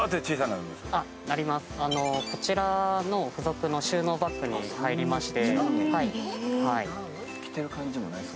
なります、こちらの付属の収納バッグに入りまして。